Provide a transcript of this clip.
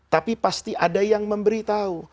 tapi pasti ada yang memberitahu